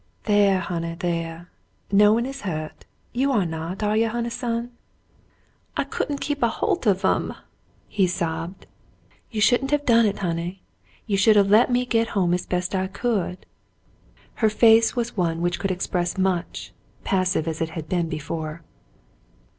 "There, honey, there ! No one is hurt. You are not, are you, honey son?" David Thryng Arrives 3 "I couldn't keep a holt of 'em,'* he sobbed. "You shouldn't have done it, honey. You should have let me get home as best I could." Her face was one which could express much, passive as it had been before.